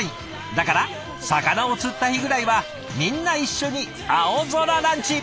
だから魚を釣った日ぐらいはみんな一緒に青空ランチ。